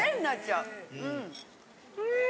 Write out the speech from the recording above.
うん！